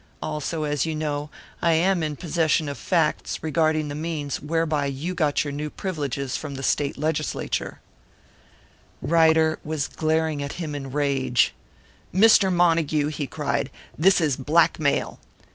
Also, as you know, I am in possession of facts regarding the means whereby you got your new privileges from the State Legislature " Ryder was glaring at him in rage. "Mr. Montague," he cried, "this is blackmail!"